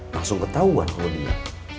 langsung ketahuan kalau dia